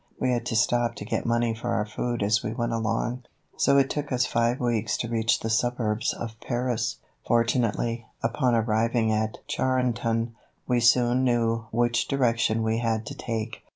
We had to stop to get money for our food as we went along, so it took us five weeks to reach the suburbs of Paris. Fortunately, upon arriving at Charenton, we soon knew which direction we had to take.